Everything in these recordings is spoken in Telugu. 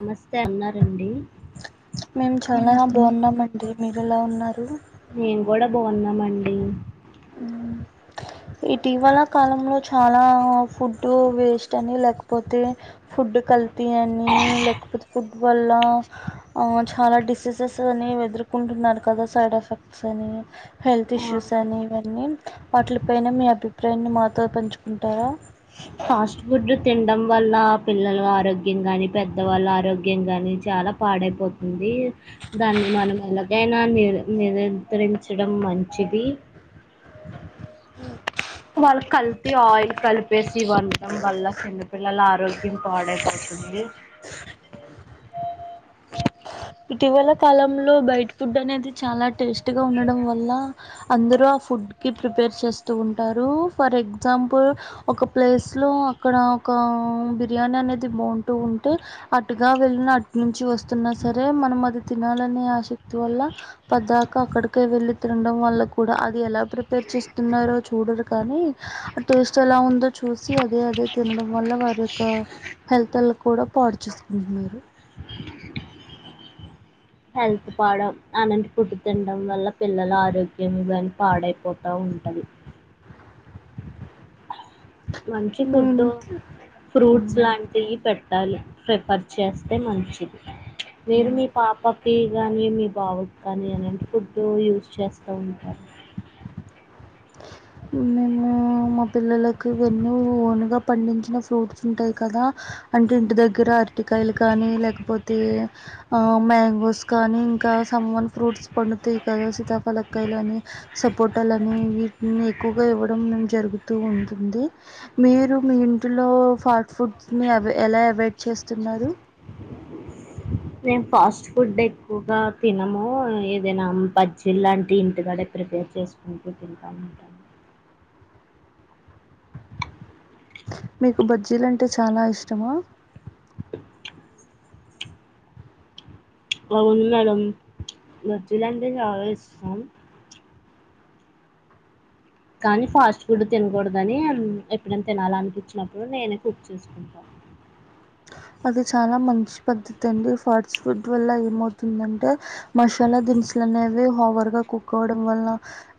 నమస్తే అన్నారండి మేము చాలా మంచిది బాగున్నామండి మీరెలా ఉన్నారు మేము కూడా బాగున్నామండి ఇటీవల కాలంలో చాలా ఫుడ్ వేస్ట్ అని లేకపోతే ఫుడ్ కల్తీ అని లేకపోతే ఫుడ్ వల్ల చాలా డిసీజెస్ అని ఎదుర్కొంటున్నారు కదా సైడ్ ఎఫెక్ట్స్ అని హెల్త్ ఇష్యూస్ అని ఇవన్నీ వాటిలు పైన మీ అభిప్రాయాన్ని మాతో పంచుకుంటారా ఫాస్ట్ ఫుడ్ తినడం వల్ల పిల్లల ఆరోగ్యం కానీ పెద్దవాళ్ళ ఆరోగ్యం కానీ చాలా పాడైపోతుంది దాన్ని మనం ఎలాగైనా ని నిరంత్రించడం మంచిది వాళ్ళ కల్తీ ఆయిల్ కలిపేస్త జీవంతం వల్ల చిన్నపిల్లలు ఆ ఆరోగ్యం పాడైపోతుంది ఇటీవల కాలంలో బైటి ఫుడ్ అనేది చాలా టేస్టీగా ఉండడం వల్ల అందరు ఆ ఫుడ్ కి ప్రిపేర్ చేస్తూ ఉంటారు ఫర్ ఎగ్జాంపుల్ ఒక ప్లేస్ లో అక్కడ ఒక బిర్యానీ అనేది బాగుంటూ ఉంటే అటుగా వెళ్ళిన అటు నుంచి వస్తున్న సరే మనం అది తినాలనే ఆసక్తి వల్ల పెద్దకా అక్కడికే వెళ్ళి తినడం వల్ల కూడా అది ఎలా ప్రిపేర్ చేస్తున్నారో చూడరు కానీ ఆ టేస్ట్ ఎలా ఉందో చూసి అదే అదే తినడం వల్ల వారి యొక్క హెల్త్ల కూడా పాడు చేసుకుంటున్నారు హెల్త్ పాడం అలాంటి పుడ్ట్టు తినడం వల్ల పిల్లల ఆరోగ్యం కానీ పాడైపోతా ఉంటది మంచి మీ ఫుడ్ ఇంట్లో ఫ్రూట్స్ మ్మ్. లాంటివి పెట్ట ప్రిఫర్ చేస్తే మంచిది మీరు మీ పాప కి కానీ మీ బాబుకి కానీ ఎలాంటి ఫుడ్డు యూస్ చేస్తూ ఉంటారు మేము మా పిల్లలకువన్నీ ఓన్గా పండించిన ఫ్రూట్స్ ఉంటాయ్ కదా, అంటే ఇంటి దగ్గర అరటికాయలు కానీ లేకపోతే ఆ మ్యాంగోస్ కానీ, ఇంకా సమ్మర్ ఫ్రూట్స్ పండుతాయి కదా సీతాఫలకాయలు అని సపోటలు అని ఇ ఉమ్ ఎక్కువగా ఇవ్వడం నేన్ జరుగుతూ ఉంటుంది. మీరు మీ ఇంటిలో ఫాస్ట్ ఫుడ్స్ని అవ్ ఎలా అవాయిడ్ చేస్తున్నారు? మేము ఫాస్ట్ ఫుడ్ ఎక్కువగా తినము, ఏదైనా బజ్జిలాంటి ఇంటికాడ ప్రిపేర్ చేసుకుంటూ తింటామంటా మీకు బజ్జీలు అంటే చాలా ఇష్టమా? అవున్ మేడం బజ్జీలు అంటే చాలా ఇష్టం. కానీ ఫాస్ట్ ఫుడ్ తినకూడదని ఎప్పుడైనా తినాలనిపించినప్పుడు నేనే కుక్ చేసుకుంటా. అది చాలా మంచి పద్ధతి అండి ఫాస్ట్ ఫుడ్ వల్ల ఏం ఆవుతుందిదంటే, మసాలా దినుసులు అనేవి హవర్గా కుక్ అవ్వడం వల్ల,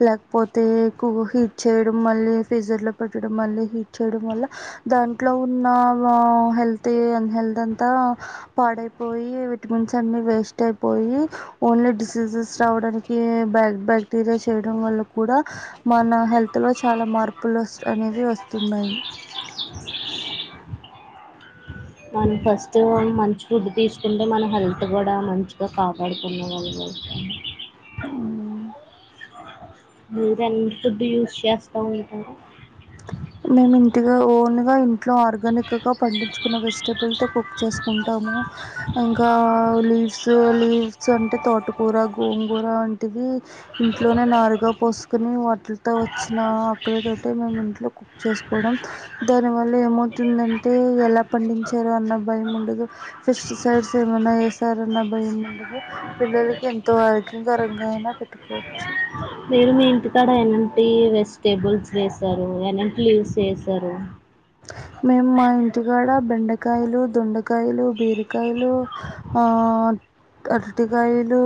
లేకపోతే కు హీట్ చేయడం మళ్ళీ ఫ్రీజర్ లో పెట్టడం మళ్ళీ హీట్ చేయడం వల్ల దాంట్లో ఉన్న వ హెల్త్ తీన్ హెల్త్ అంతా పాడైపోయి విటమిన్స్ అన్ని వేస్ట్ అయిపోయి, ఓన్లీ డిసీజెస్ రావడానికి బ్యా బ్యాక్టీరియా చేయడం వల్ల కూడా, మన హెల్త్లో చాలా మార్పులు అస్ అనేవి వస్తున్నాయి మనం ఫస్ట్ మంచి ఫుడ్ తీసుకుంటే మన హెల్త్ కూడా మంచిగా కాపాడుకున్న వాళ్ళం అవుతాం. ఉమ్ మీర్ అంత్ డీల్స్ చేస్తా ఉంటారా? మేము ఇంటిగా ఓన్గా ఇంట్లో ఆర్గానిక్గా పండించుకున్న వెజిటబుల్తో కుక్ చేసుకుంటాము, ఇంకా లీవ్స్ లీవ్స్ అంటే తోటకూర గోంగూర వంటివి ఇంట్లోనే నారుగా పోసుకుని వాటిలతో వచ్చిన ఆకులతో మేం ఇంట్లోక్ కుక్ చేసుకోవడం దాని వల్ల ఏమవుతుందంటే ఎలా పండించారు అన్న భయం ఉండదు, ఫెస్టిసైడ్స్ ఏమైనా ఏసారన్న అన్న భయం ఉండదు. పిల్లలకి ఎంతో ఆరోగ్యకరంగా అయినా పెట్టుకోవచ్చు మీరు మీ ఇంటికాడ ఎలాంటి వెజిటేబుల్స్ వేసారు ఎలాటి లీవ్స్ వేసారు? మేం మా ఇంటికాడ బెండకాయలు, దొండకాయలు, బీరకాయలు, ఆ అరటికాయలు,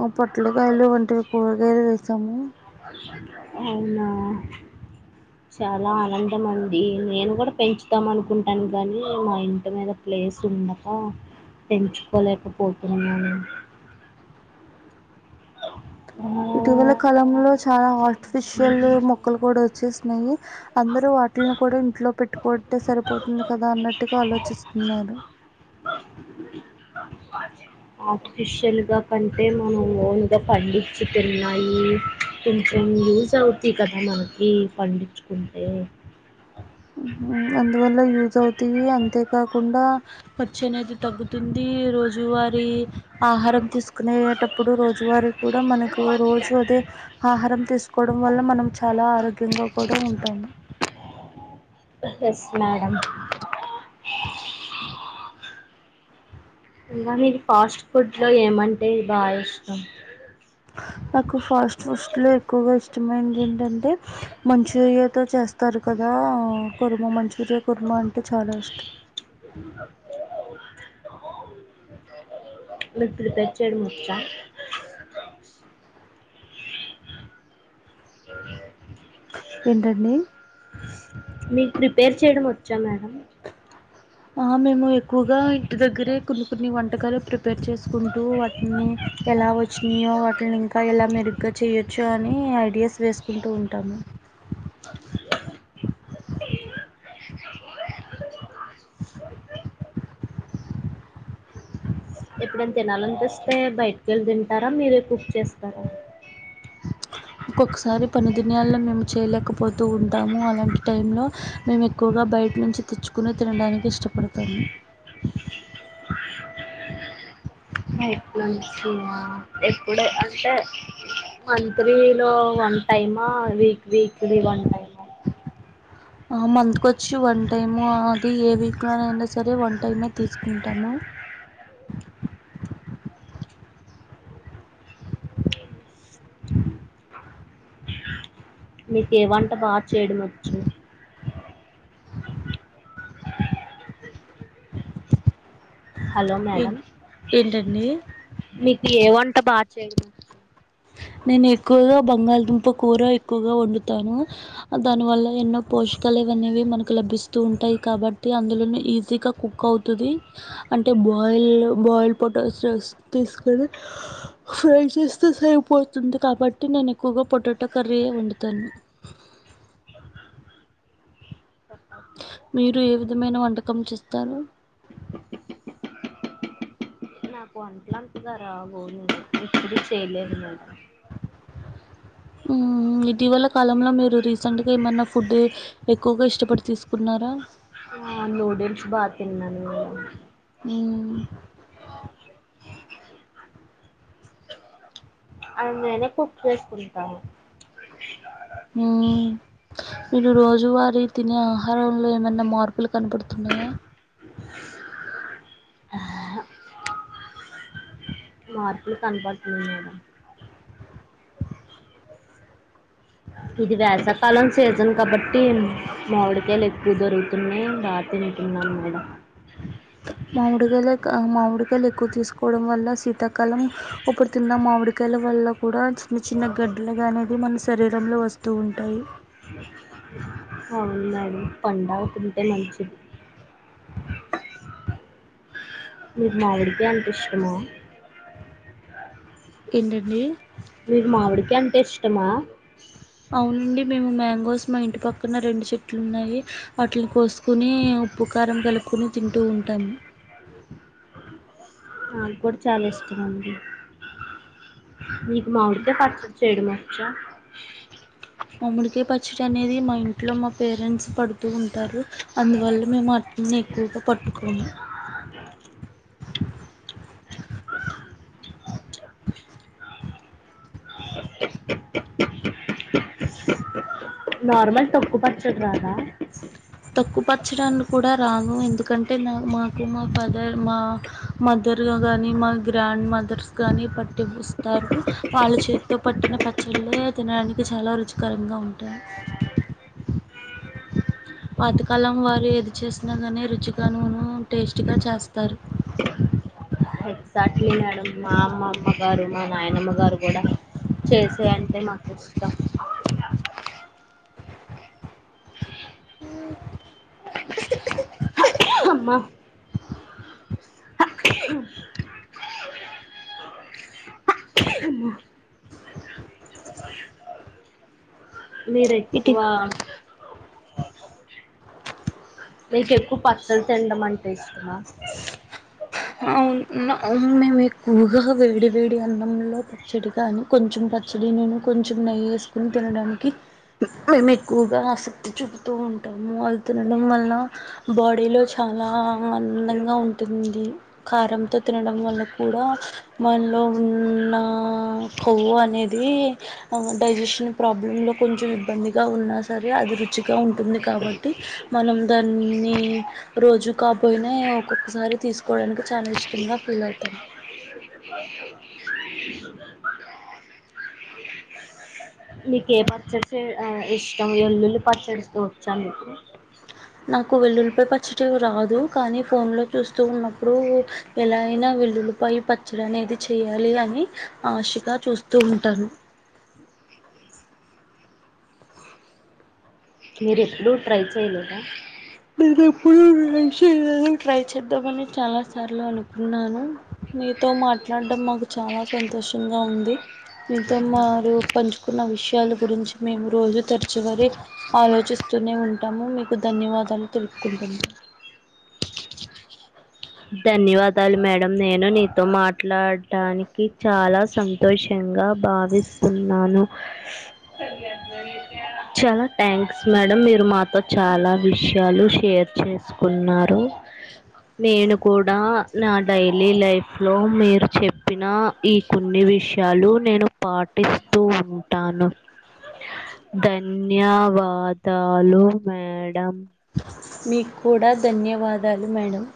ఆ పొట్లకాయలు వంటివి కూరగాయలు వేసాము అవునా చాలా ఆనందం అండి నేను కూడా పెంచుతాం అనుకుంటాను గానీ, మా ఇంటి మీద ప్లేస్ ఉండక పెంచుకోలేకపోతున్నాను. ఇటీవల కాలంలో చాలా ఆర్టిఫిషియల్ మొక్కలు కూడా ఓచేసినాయి, అందరు వాటిని కూడా ఇంట్లో పెట్టుకోవటే సరిపోతుంది కదా అన్నట్టుగా ఆలోచిస్తున్నారు. ఆర్టిఫిషియల్గా కంటే మనం ఓన్గా పండించి తిన్నాయి, కొంచెం యూజ్ అవ్ది కదా మనకి పండించుకుంటే ఉహ్ ఉమ్ అందువల్ల యూజ్ అవుతాయి, అంతేకాకుండా ఖర్చు అనేది తగ్గుతుంది రోజువారి ఆహారం తీసుకునేటప్పుడు రోజువారి కూడా మనకు రోజు అదే ఆహారం తీసుకోవడం వల్ల మనం చాలా ఆరోగ్యంగా కూడా ఉంటాము. ఎస్ మేడం ఇంకా మీర్ ఫాస్ట్ ఫుడ్ లో ఏమంటే బాగా ఇష్టం? నాకు ఫాస్ట్ ఫుడ్స్లో ఎక్కువగా ఇష్టమైనంది ఏంటంటే, మంచూరియాతో చేస్తారు కదా కొర్మ మంచూరియా కొర్మా అంటే చాలా ఇష్టం మిక్ ప్రిపేర్ చేయడం వచ్చా? ఏంటండీ? మిక్ ప్రిపేర్ చేయడం వచ్చా మేడం? ఆ మేము ఎక్కువగా ఇంటి దగ్గరే కొన్ని కొన్ని వంటకాలు ప్రిపేర్ చేసుకుంటూ, వాటిని ఎలా వచ్చినాయో వాటిని ఇంకా ఎలా మెరుగ్గా చేయొచ్చో అని ఐడియాస్ వేసుకుంటూ ఉంటాము. ఎప్పుడైనా తినల్ అనిపిస్తే బయటకి వెళ్ళి తింటారా మీరే కుక్ చేస్తారా? ఒకఒకసారి పనిదినయాల్లో మేము చేయలేకపోతూ ఉంటాము, అలాంటి టైంలో మేం ఎక్కువగా బైట్ నుంచి తెచ్చుకుని తినడానికి ఇష్టపడతాము. [unintelligible] ఇప్పుడే అంటే మంత్లీలో one time week weekly one టైమా ఆ మంత్క్ వచ్చి వన్ టైము అది ఏ వీక్లోన అయినా సరే వన్ టైమే తీసుకుంటాము. మిక్ ఏ వంట బాగా చేయడం వచ్చు? హలో మేడం ఏ- ఏంటండి అబ్బా చై నేను ఎక్కువగా బంగాళదుంప కూర ఎక్కువగా వండుతాను, దానివల్ల ఎన్నో పోషకాలువనేవి మనకు లభిస్తూ ఉంటాయి కాబట్టి, అందులోనే ఈజీగా కుక్ అవుతుంది, అంటే బాయిల్ బాయిల్డ్ పొటాటోస్ తీసుకొని ఫ్రై చేస్తే సరిపో తూత్ కాబట్టి నేను ఎక్కువగా పొటాటో కర్రీ ఏ వండుతాను. మీరు ఏ విధమైన వంటకం చేస్తారు? వంటట్లు అంటున్నారా గోను ఎప్పుడూ చేయలేదు మేడం. ఉమ్ ఇటీవల కాలంలో మీరు రీసెంట్గా ఏమన్నా ఫుడ్ ఎక్కువగా ఇష్టపడి తీసుకున్నారా? ఆ నూడిల్స్ బాగా తిన్నాను నేన్ ఉమ్ అవ్ నేనే కుక్ చేసుకుంటా. మ్మ్. మీరు రోజువారీ తినే ఆహారంలో ఏమైనా మార్పులు కనపడుతున్నాయా? ఆ మార్పులు కనపడుతున్నాద? ఇది వేసాకాలం సీజన్ కాబట్టి మామిడికాయలు ఎక్కువ దొరుకుతున్నాయి బాగా తింటున్నాం మేడం. మామిడుగాల మా మాడ్ మామిడికాయలు ఎక్కువ తీసుకోవడం వల్ల సీత కాలం ఉప్పుడు తిందాం మావిడిక గల వల్ల కూడా చిన్న చిన్న గడ్లుగా అనేది మన శరీరంలో వస్తూ ఉంటాయి అవును మేడం పండు గా తింటే మంచిది మీరు మావిడికే అంటే ఇష్టమా ఏంటండి మీరు మామిడికే అంటే ఇష్టమా అవునండి మేము మ్యాంగోస్ మా ఇంటి పక్కన రెండు చెట్లు ఉన్నాయి వటిని కోసు కొని ఉప్పుకారం కలిపు కుని తింటూ ఉంటాము నాది కూడా చాలా ఇష్టం అండి నీకు మామిడికాయ పచ్చడ చేయడం వచ్చ మామాడికాయ పచ్చ పచ్చడి అనేది మా ఇంట్లో మా పేరెంట్స్ పడు ఉంటారు అందువల్ల మేము అటిని ఎక్కువగా పట్టుకోము [inaudible] నార్మల్ తోక్కు పచ్చడ రాదా తోక్కు పచ్చడాని కూడా రాను ఎందుకంటే నా మాకు మా ఫాదర్ మా మదర్గా కానీ మా గ్రాండ్ మదర్స్ కానీ పట్టిస్తారు వాళ్ళ చేతితో పట్టిన పచ్చళ్ళే తినడానికి చాలా రుచికరంగా ఉంటాయి పాతకాలం వాళ్ళు ఏది చేసినా కానీ రుచిగాను టేస్టీగా చేస్తారు ఎగ్జాక్ట్లీ మేడం మా అమ్మమ్మ గారు మా నాయనమ్మ గారు కూడా చేసే అంటే మాకు ఇష్టం అమ్మ అమ్మ [inaudible] మీర ఇటు ఎక్కువ నీకు ఎక్కువ పచ్చడి తినడం అంటే ఇష్టమా మేము ఎక్కువగా వేడి వేడి అన్నంలో ఒక పచ్చడి గానీ కొంచెం పచ్చడి నేను కొంచెం నెయ్యి వేసుకొని తినడానికి మేము ఎక్కువగా ఆసక్తి చూపుతూ ఉంటాము అది తినడం వల్ల బాడీలో చాలా అందాంగా ఉంటుంది కారంతో తినడం వల్ కూడా మనలో ఉన్న కొవ్వు అనేది డైజెషన్ ప్రాబ్లమ్ లో కొంచెం ఇబ్బందిగా ఉన్నా సరే అది రుచి గా ఉంటుంది కాబట్టి మనం దాన్ని రోజు కాపోయినా ఒక్కొక్కసారి తీసుకోవడానికి చాలా ఇష్టంగా ఫీల్ అవుతాం నీకే పచ్చడి చే ఆ ఇష్టం ఎల్లులు పచ్చడిస్తూ వచ్చా నీకు నాకు వెల్లులిపై పచ్చడి రాదు కానీ ఫోన్ లో చూస్తూ ఉన్నప్పుడు ఎలా అయినా వెల్లులపై పచ్చడి అనేది చెయాలి అని ఆశగా చూస్తూ ఉంటాను మీరు ఎప్పుడు ట్రై చేయలేదా ఎప్పుడు ట్రై చేయలేదు ట్రై చేద్దామని చాలా సార్లు అనుకున్నాను మీతో మాట్లాడడం మాకు చాలా సంతోషంగా ఉంది మీతో మారు పంచుకున్న విషయాల గురించి మేము రోజు తరచూవరి ఆలోచిస్తూనే ఉంటాము మీకు ధన్యవాదాలు తను తులుపుకుంటము ధన్యవాదాలు మేడం, నేను నీతో మాట్లాడానికి చాలా సంతోషంగా భావిస్తున్నాను. చాలా థ్యాంక్స్ మేడం, మీరు మాతో చాలా విషయాలు షేర్ చేసుకున్నారు. నేను కూడా నా డైలీ లైఫ్ లో మీరు చెప్పిన ఈ కొన్ని విషయాలు నేను పాటిస్తూ ఉంటాను, ఆహ్ ధన్యవాదాలు మేడం. మీకు కూడా ధన్యవాదాలు మేడం.